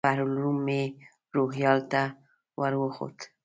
بحر العلوم مې روهیال ته ور وښود.